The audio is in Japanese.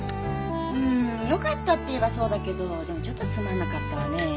うんよかったって言えばそうだけどでもちょっとつまんなかったわね。